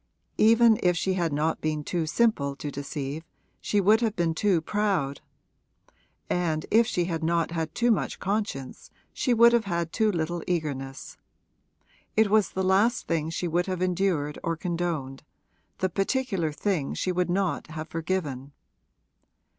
Even if she had not been too simple to deceive she would have been too proud; and if she had not had too much conscience she would have had too little eagerness. It was the last thing she would have endured or condoned the particular thing she would not have forgiven.